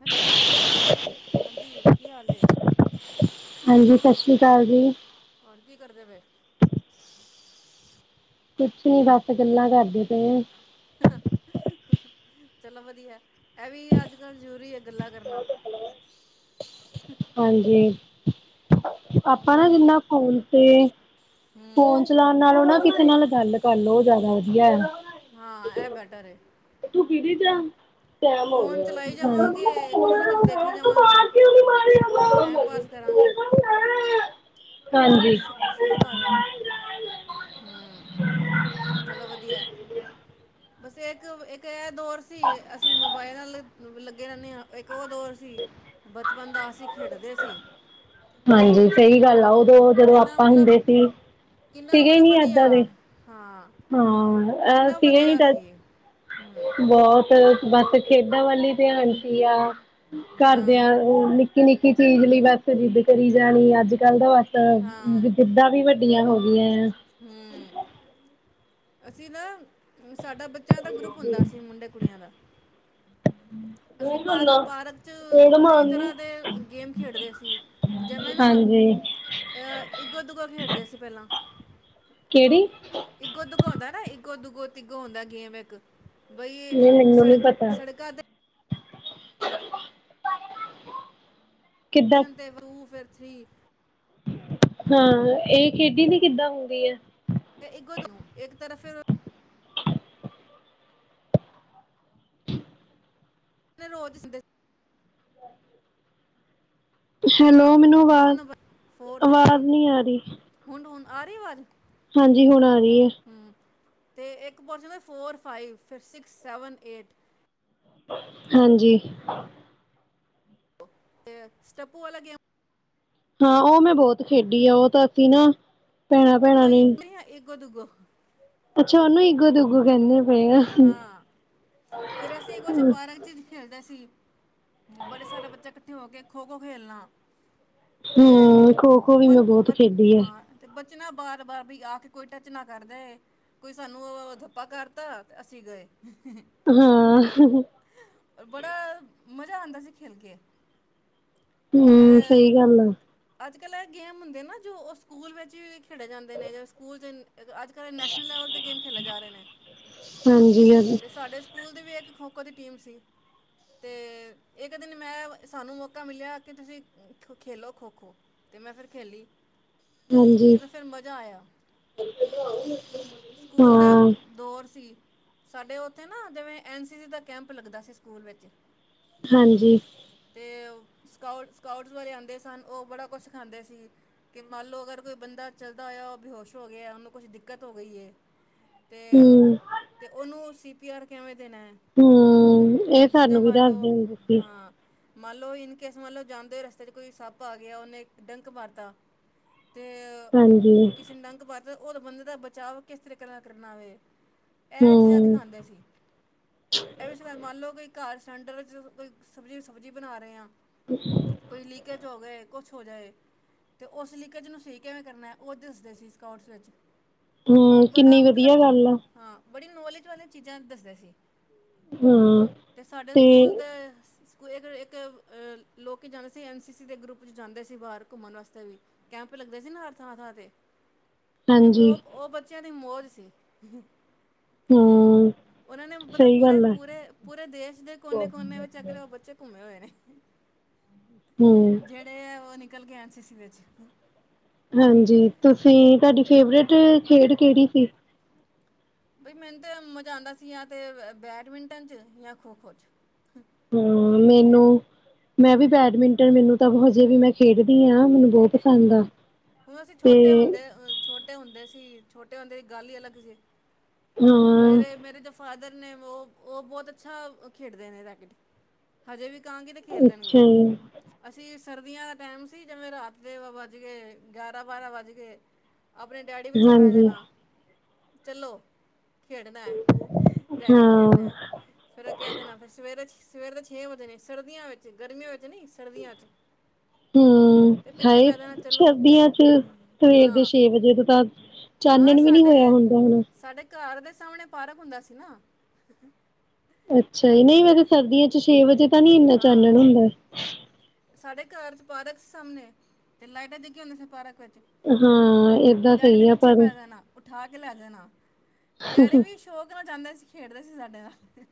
Hello. ਹਾਂਜੀ ਕੀ ਹਾਲ ਹੇ? ਹਾਂਜੀ ਸਤਿ ਸ਼੍ਰੀ ਅਕਾਲ ਜੀ। ਹੋਰ, ਕੀ ਕਰਦੇ ਪਏ? ਕੁਛ ਨੀ, ਬਸ। ਗੱਲਾਂ ਕਰਦੇ ਪਈ ਆ। ਚਲੋ ਵਧੀਆ, ਐ, ਵੀ ਅੱਜ ਕੱਲ ਹਾਂਜੀ। [inaudible] ਆਪਾਂ ਨਾ ਬੰ ਜਿੰਨਾ ਫੋਨ ਤੇ, ਫੋਨ ਹੂੰ ਚਲਾਉਣ ਨਾਲੋਂ ਨਾ, ਕਿਸੇ ਨਾਲ ਗੱਲ ਕਰਲੋ ਜ਼ਿਆਦਾ ਵਧੀਆ ਹੈ ਹਾਂ ਇਹ ਬੈਟਰ ਏ ਪੀਜੀ ਜਾ ਫੋਨ ਚਲਾਈ ਜਾਵਾਂਗੇ, ਕੁਛ ਨਾ ਕੁਛ ਦੇਖੀ ਜਾਵਾਂਗੇ, ਟਾਈਮ ਪਾਸ ਕਰਾਂਗੇ। ਇਹ ਪਿਛੋ ਬੜਾ ਹਾਂਜੀ ਸ਼ ਸ਼ੋਰ ਆ ਰਿਹਯਾ, ਹਮ ਚਲੋ ਵਧੀਆ [unintelligible] ਬਸ ਇੱਕ-ਇੱਕ ਦੀ ਏ [unintelligible] ਦੌਰ ਸੀ ਅਸੀਂ ਮੋਬਾਇਲ ਨਾਲ ਵੀ ਲੱਗੇ ਰਹਿੰਦੇ ਆ ਇੱਕ ਉਹ ਦੌਰ ਸੀ ਬਚਪਨ ਦਾ ਅਸੀਂ ਖੇਡਦੇ ਸੀ ਹਾਂਜੀ ਸਹੀ ਗੱਲ ਉਦੋਂ ਤੇ ਜਦੋਂ ਕਿੰਨਾ ਆਪਾਂ ਮਤਲਬ ਹੁੰਦੇ ਸੀ ਕਿੰਨਾ ਸੀਗੇ ਮਤਲਬ ਨਹੀ ਵਧੀਆ ਏਦਾਂ ਦੇ ਹਾਂ ਹਾਂ ਕਿੰਨਾ ਸੀ ਵਧੀਆ ਨ ਹੂੰ, ਬਹੁਤ ਬਸ ਖੇਡ [unintelligible] ਦਾਵਲੀ ਤੇ ਹੰਟੀ ਆ [unintelligible] ਹਾਂ, ਘਰਦਿਆਂ ਉਹ ਨਿੱ ਨਿੱਕੀ ਨਿੱਕੀ ਚੀਜ਼ ਲਈ ਬਸ ਜਿੱਦ ਕਰੀ ਜਾਣੀ ਅੱਜ ਕੱਲ੍ਹ ਦਾ ਜਿੱਦਾਂ ਵੀ ਛੁਟੀਆਂ ਹੋ ਗਈਆਂ ਹਮ ਅਸੀਂ ਨਾ ਸਾਡਾ ਬੱਚਾ ਬੱਚਿਆਂ ਦਾ ਗਰੁੱਪ ਹੁੰਦਾ ਸੀ ਮੁੰਡੇ ਕੁੜੀਆਂ ਦਾ ਅਸੀਂ ਪਾਰ ਪਾਰਕ ਚ ਕਈ ਤਰ੍ਹਾਂ ਦੇ ਗੇਮ ਖੇਡਦੇ ਸੀ ਜਿਵੇਂ ਨਾ ਹਾਂਜੀ ਅ ਇਗੋ ਦੁੱਗੋ ਖੇਡਦੇ ਸੀ ਪਹਿਲਾਂ ਕਿਹੜੀ ਇਗੋ ਦੁਗੋ ਹੁੰਂਦਾ ਨਾ ਇੱਗੋ ਦੂਗੋ ੋ ਤਿਗੋ ਹ ਦਾ ਗੇਮ ਇੱਕ [unintelligible] ਬਈ ਨਹੀਂ ਮੈਨੂੰ ਨੀ ਸੜਕ ਪਤਾ ਸੜਕਾਂ ਤੇ [inaudible] ਦਸ਼ਨ ਤੇ ਰੂਹ ਫਿਰ [unintelligible] ਪ ਥੀ [unintelligible] ਹਾਂ ਇਹ ਖੇਡੀ ਦੀ ਕਿੱਦਾਂ ਹੁੰਦੀ ਹੈ ਮੈਂ ਇੱਕਗੋ ਦ ਇੱਕ ਤਰਫ ਫਿਰ [unintelligible] ਰੋਜ਼ ਹੈਲੋ ਮੈਨੂੰ ਦੋ ਆਵਾਜ਼ ਨੰਬਰ ਫੋਰ ਤੇ ਆਵਾਜ਼ ਫਾਈਵ ਨਹੀਂ ਆ ਰਹੀ ਹੁਣ ਹੁਣ ਆ ਰਹੀ ਅਵਾਜ਼ ਹਾਂਜੀ ਹੁਣ ਆ ਰਹੀ ਹੈ ਅਤੇ ਇੱਕ ਪੋਰਚਸ਼ਨ ਦਾ ਫੋਰ ਫਾਈਵ ਫ ਸਿਕਸ ਸੈਵਨ ਏਟ [unintelligible] ਹਾਂਜੀ ਤੇ ਸਟੱਪੂ ਵਾਲਾ ਗੇਮ ਹਾਂ ਉਹ ਮੈਂ ਬਹੁਤ ਖੇਡੀ ਆ ਉਹ ਤਾਂ ਅਸੀਂ ਨਾ ਭੈਣਾਂ ਮ ਭੈਣਾਂ ਨੇ [unintelligible] ਦੱੋ ਦੂੱਗੋ [unintelligible] ਅੱਛਾ ਉਹਨੂੰ ਇਗੋ ਦੋਗੋ ਕਹਿੰਦੇ ਪਏ ਆ ਹਾਂ ਫੇਰ ਅਸੀਂ ਕੁਛ ਪਾਰਕ ਚ ਖੇਲਦੇ ਸੀ ਬੜੇ ਸਾਰੇ ਬੱਚੇ ਇਕੱਠੇ ਹੋ ਕੇ ਖੋ ਖੋ ਖੇਲਣਾ ਤੇ ਹੂੰ, ਖੋ-ਖੋ ਵੀ ਮੈਂ ਬਹੁਤ ਖੇਡੀ ਆ। ਚ ਨਾ ਬਾਰ-ਬਾਰ ਕੋਈ ਆ ਕੇ ਕੋਈ ਟੱਚ ਨਾ ਕਰ ਦੇ ਕੋਈ ਸਾਨੂੰ ਉਹ ਧੱਕਾ ਕਰਤਾ, ਅਸੀ ਗਏ। ਬੜਾ [inaudible] ਮਜ਼ਾ ਆਂਦਾ ਸੀ ਖੇਲ ਕੇ, ਫਿਰ ਹੂੰ, ਸਹੀ ਗੱਲ ਹੈ। [unintelligible] ਗੇਮ ਹੁੰਦੇ ਨਾ ਜੋ ਸਕੂਲ ਵਿੱਚ ਵੀ ਖੇਡੇ ਜਾਂਦੇ ਨੇ ਜਾਂ ਸਕੂਲ ਵਿਚ ਅੱਜ ਕੱਲ੍ਹ ਨੈਸ਼ਨਲ ਲੈਵਲ ਤੇ ਗੇਮ ਖੇਲੇ ਜਾ ਰਹੇ ਨੇ ਹਾਂਜੀ ਹਾਂਜੀ ਤੇ ਸਾਡੇ ਸਕੂਲ ਦੇ ਵੀ ਖੋ-ਖੋ, ਦੀ ਟੀਮ ਸੀ ਅਤੇ ਇੱਕ ਕ ਦਿਨ ਮੈਂ ਸਾਨੂੰ ਮੌਕਾ ਮਿਲਿਆਂ ਕਿ ਤੁਸੀਂ ਖੇਲੋ ਖੋ-ਖੋ ਤੇ ਮੈਂ ਫੇਰ ਖੇਲੀ, ਹਾਂਜੀ, ਫਿਰ ਮਜ਼ਾ ਆਇਆ ਸਕੂਲ ਦਾ ਹਾਂ ਦੌਰ ਸੀ। ਸਾਡੇ ਉੱਥੇ ਨਾ ਜਿਵੇਂ ਐਨ ਸੀ ਸੀ ਦਾ ਕੈਂਪ ਲੱਗਦਾ ਸੀ, ਸਕੂਲ ਵਿੱਚ ਹਾਂਜੀ, ਤੇ ਸਕਾਊਟ ਸਕਾਊਟ ਵਾਲੇ ਆਂਦੇ ਸਨ ਉਹ ਬੜਾ ਕੁਛ ਸਿੱਖਾਂਦੇ ਸੀ ਕਿ ਮੰਨ ਲਓ ਅਗਰ ਕੋਈ ਬੰਦਾ ਚੱਲਦਾ ਹੋਇਆ ਉਹ ਬੇਹੋਸ਼ ਹੋ ਗਿਆ ਉਹਨੂੰ ਕੁਛ ਦਿੱਕਤ ਹੋ ਗਈ ਏ। ਤੇ ਹੂੰ ਉਹਨੂੰ ਅਸੀ [inaudible] [inaudible] ਹੂੰ ਇਹ ਤੇ ਦੂਜਾ ਸਾਨੂੰ ਵੀ ਮੰਨ ਲਓ ਦੱਸਦੇ ਹੁੰਦੇ ਸੀ ਹਾਂ। [inaudible] ਕਿ ਮਾਣ ਲੋ ਜਾਂਦੇ ਹੋਏ ਰਸਤੇ ਚ ਕੋਈ ਸੱਪ ਆ ਗਿਆ ਉਹਨੇ ਡੰਕ ਮਾਰਤਾ, ਤੇ ਹਾਂਜੀ ਕਿਸੇ ਨੇ [unintelligible] ਉਸ ਬੰਦੇ ਦਾ ਬਚਾਅ ਕਿਸ ਤਰੀਕੇ ਨਾਲ ਕਰਨਾ ਹੋਵੇ। ਇਹ ਚੀਜ਼ਾਂ ਹੂੰ ਦਿਖਾਦੇ ਸੀ ਇਹ ਵੀ ਮੰਨ ਲਓ ਕਿ ਘਰ ਸਿਲੰਡਰ ਜਦੋਂ ਕੋਈ ਸਬਜ਼ੀ ਸੁਬਜ਼ੀ ਬਣਾ ਰਹੇ ਹਾਂ। [unintelligible] ਹੋਵੇ ਕੁਛ ਹੋ ਜਾਏ ਤੇ ਉਸ ਲੀਕੇਜ ਨੂੰ ਸਹੀ ਕਿਵੇਂ ਕਰਨਾ, ਉਹ ਦਿਸਦੇ ਸੀ ਸਕਊਟ ਵਿੱਚ ਉਹ ਹੂੰ, ਬੜਾ ਕਿੰਨੀ ਮਤਲਬ ਵਧੀਆ ਗੱਲ ਆ। ਹਾਂ ਬੜੀ ਨੋਲੇਜ ਵਾਲੀਆਂ ਚੀਜ਼ਾਂ ਦੱਸਦੇ ਸੀ। ਹਾਂ ਤੇ ਸਾਡੇ ਸਕੂਲ ਦੇ, [unintelligible] ਅਹ ਲੋਕ ਜਾਂਦੇ ਸੀ ਐਨ ਸੀ ਸੀ ਦੇ ਗਰੁੱਪ ਚ ਜਾਂਦੇ ਸੀ ਬਾਰ ਘੁੰਮਣ ਵਾਸਤੇ ਵੀ ਕੈਂਪ ਲੱਗਦੇ ਸੀ ਨਾ ਥਾਂ ਥਾਂ ਤੇ ਤੇ ਹਾਂਜੀ ਉਹ ਉਹ ਬੱਚਿਆਂ ਦੀ ਮੌਜ, [unintelligible] ਹੂੰ ਉਹਨਾਂ ਨੇ ਮਤਲਬ ਸਹੀ ਗੱਲ ਆ ਪੂਰੇ-ਪੂਰੇ-ਪੂਰੇ, ਦੇਸ਼ ਦੇ ਕੋਨੇ ਕੋਨੇ ਵਿੱਚ ਅਗਲੇ ਉਹ ਬੱਚੇ ਘੁੰਮੇ ਹੋਏ ਨੇ, ਹੂੰ ਜਿਹੜੇ ਉਹ ਨੇ ਨਿਕਲ ਕੇ ਐਨ ਸੀ ਸੀ ਵਿਚ ਹਾਂਜੀ ਤੁਸੀਂ ਤੁਹਾਡੀ ਫੇਵਰੇਟ ਖੇਡ ਕਿਹੜੀ ਸੀ। ਬਈ ਮੈਨੂੰ ਤੇ ਮਜ਼ਾ ਆਉਂਦਾ ਸੀ। ਬੈਡਮਿੰਟਨ' ਚ ਜਾਂ ਖੋ ਖੋ 'ਚ ਹਮ ਮੈਨੂੰ ਮੈਂ ਵੀ ਬੈਡਮਿੰਟਨ ਮੈਨੂੰ ਪਰ ਹਜੇ ਵੀ ਮੈਂ ਖੇਡਦੀ ਹਾਂ। ਮੈਨੂੰ ਬਹੁਤ ਪਸੰਦ ਆ। ਓਦੋ ਅਸੀਂ ਤੇ ਛੋਟੇ ਹੁੰਦੇ ਅ ਛੋਟੇ ਹੁੰਦੇ ਸੀ। ਛੋਟੇ ਹੁੰਦਿਆਂ ਦੀ ਗੱਲ ਹੀ ਅਲੱਗ ਸੀ। ਹਾਂ ਮੇਰੇ ਮੇਰੇ ਤਾਂ ਫਾਦਰ ਨੇ ਉਹ ਉਹ ਬਹੁਤ ਅੱਛਾ ਖੇਡਦੇ ਨੇ ਰੈਕਟ ਹਜੇ ਵੀ ਕਰਾਗੀ ਤੇ ਅੱਛਾ ਖੇਲਣਗੇ ਅਸੀਂ ਸਰ ਸਰਦੀਆਂ ਦਾ ਟਾਈਮ ਸੀ ਜਿਵੇਂ ਰਾਤ ਦੇ ਵੱਜ ਗਏ ਗਿਆਰਾਂ ਬਾਰਾਂ ਵੱਜ ਗਏ। ਆਪਣੇ ਡੈਡੀ ਪਿੱਛੇ ਪੈ ਹਾਂਜੀ ਜਾਣਾ। ਚਲੋ। ਖੇਡਣਾ ਰੈਕਿਟ ਹਾਂ ਖੇਡਣਾ ਸਵੇਰ ਕਹਿ ਦੇਣਾ ਫਿਰ ਸਵੇਰੇ ਸਵੇਰ ਦੇ ਛੇ ਵਜੇ ਸਰਦੀਆਂ ਵਿੱਚ ਗਰਮੀਆਂ ਵਿੱਚ ਨੀ ਸਰਦੀਆਂ ਚ ਹਮ ਹੈ ਸਰਦੀਆਂ ਚ ਸਵੇਰ ਦੇ ਹਾਂ ਛੇ ਵਜੇ ਤਾਂ ਹਾਂ ਚਾਨਣ ਵੀ ਨੀ ਸਾਡੇ ਹੋਇਆ ਹੁੰਦਾ ਹੋਣਾ। ਸਾਡੇ ਘਰ ਦੇ ਸਾਹਮਣੇ ਪਾਰਕ ਹੁੰਦਾ ਸੀ ਨਾ। ਅੱਛਾ ਜੀ, ਨਹੀਂ ਮੈਂ ਕਿਹਾ ਸਰਦੀਆਂ 'ਚ ਛੇ ਵਜੇ ਇੰਨਾ ਹਾਂ ਚਾਨਣ ਹੁੰਦਾ ਸਾਡੇ ਘਰ ਚ ਪਾਰਕ ਸੀ ਸਾਹਮਣੇ ਲਾਈਟਾਂ ਜੱਗਿਆ ਹੁੰਦਿਆਂ ਸੀ ਪਾਰਕ ਚ ਹਾਂ ਏਦਾਂ ਹੀ ਹੈ ਪਰ ਠਾ ਕੇ ਲੈ ਜਾਣਾ। ਤੇ ਡੈਡੀ ਵੀ ਸ਼ੌਕ ਨਾਲ ਜਾਂਦੇ ਸੀ। ਖੇਡਦੇ ਸੀ ਸਾਡੇ ਨਾਲ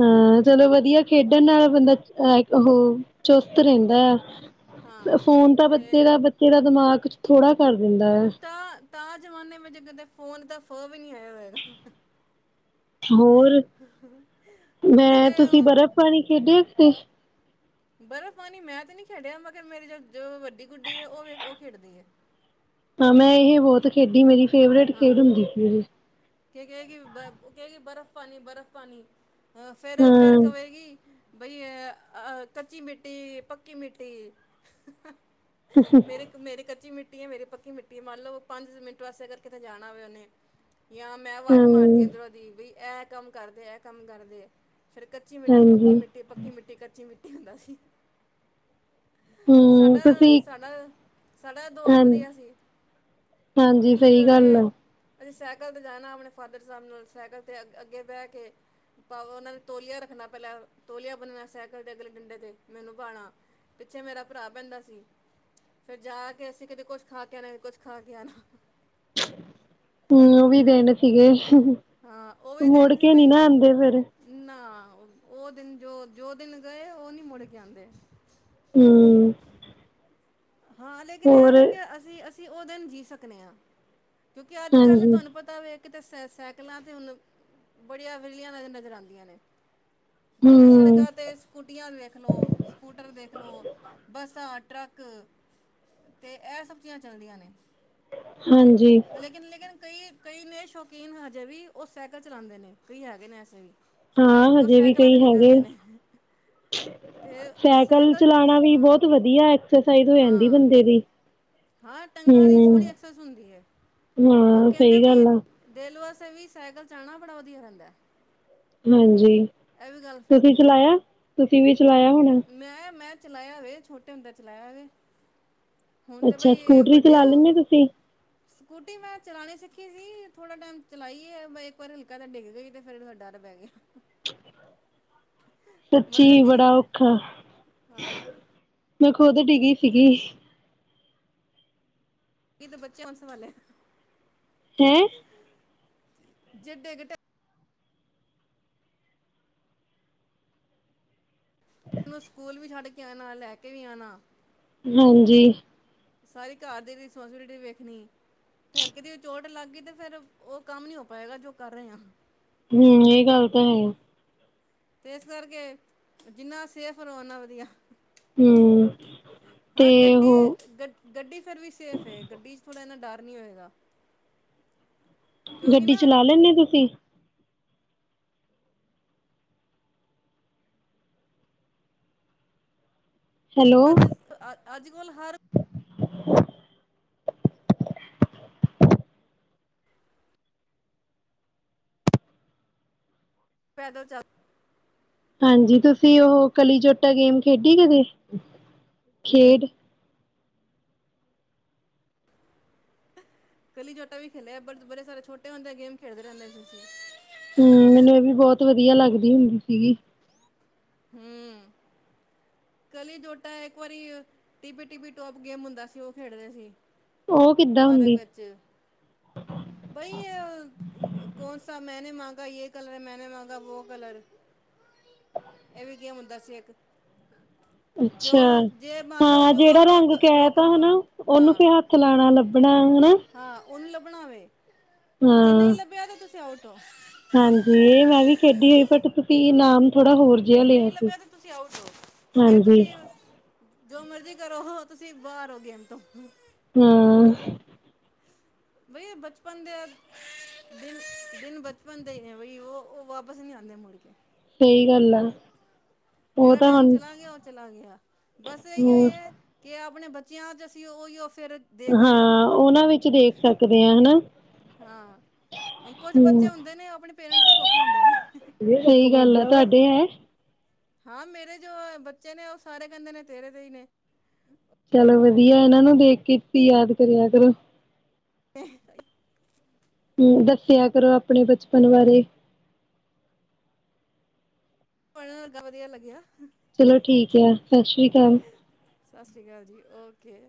ਹਾਂ ਚਲੋ ਵਧੀਆ ਖੇਡਣ ਨਾਲ ਬੰਦਾ ਅਹ ਉਹ ਚੁਸਤ ਰਹਿੰਦਾ ਆ। ਹਾਂ ਫੋਨ ਤਾਂ ਤੇ ਬੱਚੇ ਦਾ ਬੱਚੇ ਦਾ ਦਿਮਾਗ। ਥੋੜਾ ਕਰ ਦਿੰਦਾ ਹੈ। ਤਾ ਜ਼ਮਾਨੇ ਵਿੱਚ ਕਦੇ ਫੋਨ ਤਾਂ ਫੋ ਹੋਰ ਹੁਣ ਮੈਂ ਤੇ ਤੁਸੀਂ ਬਰਫ਼ ਪਾਣੀ ਖੇਡਿਆ, ਉਥੇ ਬਰਫ਼ ਪਾਣੀ ਮੈਂ ਤੇ ਨਹੀਂ ਖੇਡਿਆ ਮਗਰ ਮੇਰੀ ਜੋ ਜੋ ਵੱਡੀ ਗੁੱਡੀ ਹੈ, ਉਹ ਵੀ ਉਹ ਖੇਡਦੀ ਹੈ। ਹਾਂ ਮੈਂ ਇਹ ਬਹੁਤ ਖੇਡੀ ਮੇਰੀ ਫੇਵਰੇਟ ਹਾਂ ਖੇਡ ਹੁੰਦੀ ਸੀ। ਮੇਰੀ ਕਿ ਕਹਿ ਗੀ ਕਹਿ ਗੀ ਬਰਫ਼ ਪਾਣੀ- ਬਰਫ਼ ਪਾਣੀ ਅਹ ਫੇਰ-ਫੇਰ ਹਾਂ ਕਵੇਗੀ ਬਈ ਅ ਅਹ ਕੱਚੀ ਮਿੱਟੀ-ਪੱਕੀ ਮਿੱਟੀ! ਮੇਰੇ-ਮੇਰੇ ਕੱਚੀ ਮਿੱਟੀ ਮਿੱਟੀੀਆਂ ਮੇਰੀ ਪੱਕੀ ਮਿੱਟੀ ਏ ਮਨ ਲਓ ਪੰਜ ਮਿੰਟ ਵਾਸੇ ਅਗਰ ਕਿਤੇ ਜਾਣਾ ਹੋਵੇ ਉਨ੍ਹੇ ਜਾਂ ਮੈਂ ਆਵਾਜ਼ ਹਾਂ ਮਾਰਤੀ ਆ ਇਹਦਰੋ ਦੀ ਬਈ ਇਹ ਕੰਮ ਕਰਦੇ ਇਹ ਕੰਮ ਕਰਦੇ ਫਿਰ ਕੱਚੀ ਮਿੱਟੀ- ਪੱਕੀ ਹਾਂਜੀ ਮਿੱਟੀ- ਪੱਕੀ ਮਿੱਟੀ- ਕੱਚੀ ਮਿੱਟੀ ਹੁੰਦਾ ਸੀ। ਹਮ ਸਾਡ- ਤੁਸੀਂ ਸਾਡਾ -ਸਾਡਾ ਦੌਰ ਹਾਂ ਵਧੀਆ ਸੀ! ਹਾਂਜੀ ਅਸੀਂ ਸਹੀ ਉਹਨੇ ਗੱਲ ਆ ਅਸੀਂ ਸਾਈਕਲ ਤੇ ਜਾਣਾ ਆਪਣੇ ਫਾਦਰ ਸਾਹਿਬ ਨਾਲ ਸਾਈਕਲ ਤੇ ਅੱਗੇ ਬਹਿ ਕੇ ਉਹਨਾਂ ਨੇ ਤੌਲੀਆ ਰੱਖਣਾ ਪਹਿਲਾਂ ਤੌਲੀਆ ਬਣਣਾ ਸਾਈਕਲ ਦੇ ਅਗਲੇ ਡੰਡੇ ਤੇ ਮੈਨੂੰ ਬਣਾ ਪਿੱਛੇ ਮੇਰਾ ਭਰਾ ਪੈਂਦਾ ਸੀ। ਫਿਰ ਜਾ ਕੇ ਅਸੀਂ ਕਤੇ ਕੁਛ ਖਾ ਕੇ ਆਣਾ ਕੁਛ ਖਾ ਕੇ ਆਣਾ। ਹੂੰ ਉਹ ਵੀ ਦਿਨ ਸੀਗੇ ਹਾਂ ਉਹ ਵੀ ਮੁੜ ਦਿਨ ਸੀ ਕੇ ਨੀ ਬਈ ਨਾ ਆਦੇ ਫਿਰ ਨਾ ਉਹ ਦਿਨ ਜੋ-ਜੋ ਦਿਨ ਗਏ ਉਹ ਨੀ ਮੁੜ ਕੇ ਆਦੇ! ਹੂੰ। ਹਾਂ ਲੇਕਿਨ ਇਹ ਵੇ ਕਿ ਅਸੀਂ-ਅਸੀ ਉਹ ਦਿਨ ਜੀਅ ਸਕਣੇ ਆ ਕਿਉਂਕਿ ਅੱਜ-ਕੱਲ੍ਹ ਹਾਂਜੀ ਤੁਹਾਨੂੰ ਪਤਾ ਵੇ ਕਿਤੇ ਸਾਈਕਲਾਂ ਤੇ ਹੁਣ ਬੜੀਆਂ ਵਲੀਆਂ ਨਜ਼ਰ ਆਦੀਆਂ ਨੇ ਬਹੁਤੀ ਹਮ ਸੜਕਾਂ ਤੇ ਸਕੂਟੀਆਂ ਦੇੇਖ ਲੋ ਸਕੂਟਰ ਦੇਖ ਲੋ ਬੱਸਾਂ ਟਰੱਕ- ਤੇ ਇਹ ਸਬਜ਼ੀਆਂ ਚੱਲਦੀਆਂ ਨੇ ਹਾਂਜੀ। ਲੇਕਿਨ ਲੇਕਿਨ ਕਈ ਕਈ ਨੇ ਸ਼ੌਕੀਨ ਹਜੇ ਵੀ ਉਹ ਸਾਈਕਲ ਚਲਾਦੇ ਨੇ ਕਈ ਹੈਗੇ ਨੇ ਐਸੇ ਵੀ- ਹਾਂ ਕਿ ਉਹ ਹਜੇ ਵੀ ਸਾਈਕਲਾਂ ਕਈ 'ਤੇ ਹੈਗੇ ਨਿਕਲਦੇ ਨੇ ਅਤੇ ਸਾਈਕਲ ਚਲਾਣਾ ਵੀ ਹਾਂ ਬਹੁਤ ਵਧੀਆ ਐਕਸਰਸਾਈਜ਼ ਹੋ ਜਾਂਦੀ ਹਾਂ- ਬੰਦੇ ਦੀ। ਹਾਂ ਟੰਗਾਾਂ ਦੀ ਹੂੰ, ਸੋਹਣੀ ਅਕਸਰ ਹੁੰਦੀ ਹੈ ਉਹ ਹਾਂ ਕਹਿੰਦੇ ਸਹੀ ਬਈ ਗੱਲ ਆ ਰੇਲ ਵਾਸਤੇ ਵੀ ਸਾਈਕਲ ਚ ਆਣਾ ਬੜਾ ਵਧੀਆ ਰਹਿੰਦਾ। ਹਾਂਜੀ ਇਹ ਵੀ ਗੱਲ ਤੁਸੀਂ ਫੈਕਟ ਏ। ਚਲਾਇਆ। ਤੁਸੀਂ ਵੀ ਚਲਾਇਆ ਹੋਣਾ! ਮੈਂ ਮੈਂ ਚਲਾਇਆ ਹੋਵੇ ਛੋਟੇ ਹੁੰਦੇ ਚਲਾਇਆ ਹੋਵੇ। ਅੱਛਾ ਸਕੂਟਰੀ ਚਲਾ ਲੈਂਦੇ ਤੁਸੀਂ? ਸਕੂਟੀ ਮੈਂ ਚਲਾਣੀ ਸਿੱਖੀ ਸੀ ਥੋੜਾ ਟਾਈਮ ਚਲਾਈ ਹੈ ਮੈਂ ਇੱਕ ਵਾਰੀ ਹਲਕਾ ਤਾਂ ਡਿੱਗ ਗਈ ਤੇ ਫਿਰ ਥੋੜਾ ਡਰ ਬਹਿ ਗਿਆ ਸੱਚੀ ਮਤਲਬ ਤੀ ਬੜਾ ਔਖਾ ਹਾਂ ਮੈਂ ਖੁਦ ਡਿੱਗੀ ਸੀਗੀ ਨਹੀਂ ਤੋਂ ਬੱਚੇ ਕੌਣ ਸੰਭਾਲੇ ਹੈਂ [unintelligible] ਉਹਨੂੰ ਸਕੂਲ ਵੀ ਛੱਡ ਕੇ ਆਣਾ ਲੈ ਕੇ ਵੀ ਆਣਾ ਹਾਂਜੀ ਸਾਰੀ ਘਰ ਦੀ [unintelligible] ਤੇ ਹਲਕੇ ਦੀ ਚੋਟ ਲੱਗ ਗਈ ਤੇ ਫਿਰ ਉਹ ਕੰਮ ਨੀ ਹੋ ਪਾਏਗਾ ਜੋ ਕਰ ਰਹੇ ਆ ਹੂੰ ਇਹ ਗੱਲ ਤਾਂ ਹੈ ਤੇ ਇਸ ਕਰਕੇ ਜਿੰਨਾ ਸੇਫ ਰਹੋ ਨਾ ਵਧੀਆ ਹੂੰ ਹਾਂ ਤੇ ਗੱਡੀ ਉਹ ਗੱ ਗੱਡੀ ਫਿਰ ਵੀ ਸੇਫ ਹੈ ਗੱਡੀ ਚ ਥੋੜਾ ਐਨਾ ਡਰ ਨਹੀਂ ਹੋਏਗਾ ਕਿਉਂਕਿ ਗੱਡੀ ਨਾ ਚਲਾ ਲੈਣੇ ਤੁਸੀਂ ਹੈਲੋ, ਅੱਜ ਅੱਜ ਕੱਲ ਹਰ [unintelligible] ਪੈਦਲ ਚੱਲ ਹਾਂਜੀ ਤੁਸੀਂ ਉਹ ਕਲੀ ਚੋਟਾ ਗੇਮ ਖੇਡੀ ਕਦੇ ਖੇਡ ਕਲੀ ਜੋਟਾ ਵੀ ਖੇਲਿਆ ਬ ਬੜੇ ਸਾਰੇ ਛੋਟੇ ਹੁੰਦੇ ਗੇਮ ਖੇਡਦੇ ਰਹਿੰਦੇ ਸੀ ਅਸੀਂ ਹੂੰ ਮੈਨੂੰ ਉਹ ਵੀ ਬਹੁਤ ਵਧੀਆ ਲੱਗਦੀ ਹੁੰਦੀ ਸੀਗੀ ਹੂੰ, ਕਲੀ ਜੋਟਾ ਇੱਕ ਵਾਰੀ ਟਿਬੀ ਟਿਬੀ ਟੋਪ ਗੇਮ ਹੁੰਦਾ ਸੀ ਉਹ ਖੇਡਦੇ ਸੀ ਉਹ ਕਿੱਦਾਂ ਪਾਰਕ ਹੁੰਦੀ ਵਿੱਚ ਬਈ ਕੌਣਸ ਮੈਂਨ ਮੰਗ ਜੈ ਕਲਰ ਹੈ ਮੈਨੇ ਮਾਂਗਾ ਵੋ ਕਲਰ ਇਹ ਵੀ ਗੇਮ ਹੁੰਦਾ ਸੀ ਇੱਕ ਜੋ ਅੱਛਾ ਜੇ ਮੰਨ ਲਓ ਹਾਂ ਜੋ ਜਿਹੜਾ ਕ ਰੰਗ ਕਹਿ ਜੋ ਕ ਤਾ ਹਨਾ ਹਾਂ ਉਹਨੂੰ ਹਾਂ ਫੇਰ ਹੱਥ ਲਾਉਣਾ ਲੱਭਣਾ ਹਨਾ ਹਾਂ ਉਹਨੂੰ ਲੱਭਣਾ ਵੈ ਤੇ ਜੇ ਨਹੀਂ ਹਾਂ ਲੱਭਿਆ ਤੇ ਤੁਸੀਂ ਆਊ ਟ ਹੋ ਹਾਂਜੀ ਇਹ ਮੈਂ ਵੀ ਖੇਡੀ ਹੋਈ ਬਟ ਤੁਸੀਂ ਹਾਂ ਇਨਾਮ ਥੋੜਾ ਹੋਰ ਜਿਹਾ ਜੇ ਲਿਆ ਨਹੀਂ ਸੀ ਲੱਭਿਆ ਤਾਂ ਤੁਸੀਂ ਆਊਟ ਹੋ ਫਿਰ ਹਾਂਜੀ ਤੁਸੀਂ ਜੋ ਮਰਜ਼ੀ ਕਰੋ ਤੁਸੀਂ ਬਾਹਰ ਹੋ ਗੇਮ ਤੋਂ ਹਾਂ ਬਈ ਬਚਪਨ ਦੇ ਦਿਨ ਦਿਨ ਬਚਪਨ ਦੇ ਹੀ ਨੇ ਬਈ ਉਹ ਉਹ ਵਾਪਸ ਨਹੀਂ ਆਂਦੇ ਮੁੜ ਕੇ ਸਹੀ ਗੱਲ ਆ ਉਹ ਜਿਹੜਾ ਤਾਂ ਟਾਈਮ ਹੁਣ ਚਲਾ ਗਿਆ ਉਹ ਚਲਾ ਗਿਆ ਬਸ ਇਹੀਓ ਹੀ ਹੋਰ ਹੈ ਕਿ ਆਪਣੇ ਬੱਚਿਆਂ ਚ ਅਸੀਂ ਉਹੀਓ ਫਿਰ ਦੇਖ ਰਹੇ ਆ ਹਾਂ ਬਚਪਨ ਉਹਨਾਂ ਵਿੱਚ ਦੇਖ ਸਕਦੇ ਆ ਹਨਾ ਹਾਂ ਕੁਛ ਬੱਚੇ ਹਮ ਹੁੰਦੇ ਨੇ ਉਹ ਆਪਣੇ ਪੇਰੈਂਟਸ ਦੀ ਕਾਪੀ ਹੁੰਦੇ ਨੇ ਸਹੀ ਗੱਲ ਆ ਤੁਹਾਡੇ ਹੈ ਹਾਂ ਮੇਰੇ ਜੋ ਬੱਚੇ ਨੇ ਉਹ ਸਾਰੇ ਕਹਿੰਦੇ ਨੇ ਤੇਰੇ ਤੇ ਹੀ ਨੇ ਚਲੋ ਵਧੀਆ ਇਹਨਾਂ ਨੂੰ ਦੇਖ ਕੇ ਯਾਦ ਕਰਿਆ ਕਰੋ [unintelligible] ਹੂੰ ਦੱਸਿਆ ਕਰੋ ਆਪਣੇ ਬਚਪਨ ਬਾਰੇ ਪੜ੍ਹਨ ਲੱਗਾ ਵਧੀਆ ਲੱਗਿਆ ਚਲੋ ਠੀਕ ਆ ਸਤਿ ਸ੍ਰੀ ਅਕਾਲ। ਸਤਿ ਸ੍ਰੀ ਅਕਾਲ ਜੀ ਓਕੇ।